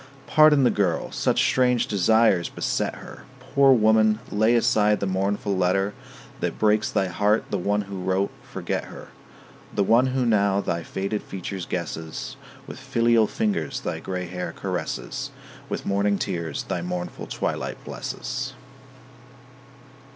Pardon the girl; such strange desires beset her. Poor woman, lay aside the mournful letter That breaks thy heart; the one who wrote, forget her: The one who now thy faded features guesses, With filial fingers thy gray hair caresses, With morning tears thy mournful twilight blesses.